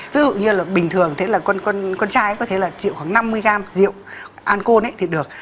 ví dụ như là bình thường thế là con trai có thể là chịu khoảng năm mươi gram rượu an côn ấy thì được